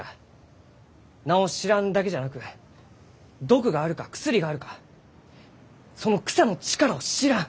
名を知らんだけじゃなく毒があるか薬があるかその草の力を知らん。